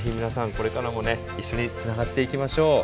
これからもね一緒につながっていきましょう。